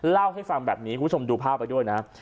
เล่าให้ฟังแบบนี้คุณผู้ชมดูภาพไปด้วยนะ